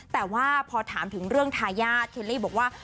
แต่ว่าพอถามถึงเรื่องทายาทเคลลี่บอกว่า